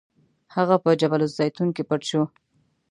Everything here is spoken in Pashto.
هغه په جبل الزیتون کې پټ شو.